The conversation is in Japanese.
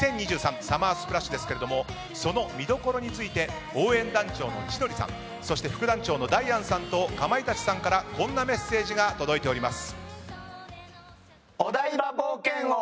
ＳＵＭＭＥＲＳＰＬＡＳＨ！ですがその見どころについて応援団長の千鳥さんそして副団長のダイアンさんとかまいたちさんからこんなメッセージが届いております。